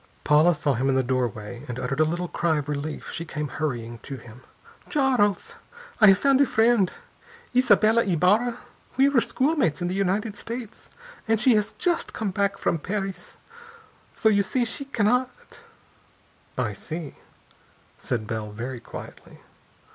Paula saw him in the doorway, and uttered a little cry of relief. She came hurrying to him. "Charles! I have found a friend! Isabella Ybarra. We were schoolmates in the United States and she has just come back from Paris! So you see, she cannot " "I see," said Bell very quietly.